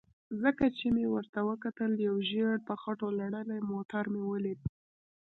څنګه چې مې ورته وکتل یو ژېړ په خټو لړلی موټر مې ولید.